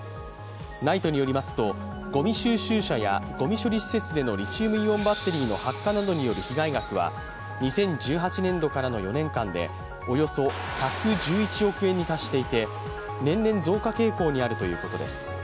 ＮＩＴＥによりますと、ごみ収集車やごみ処理施設でのリチウムイオンバッテリーの発火などによる被害額は２０１８年度からの４年間でおよそ１１１億円に達していて年々、増加傾向にあるということです。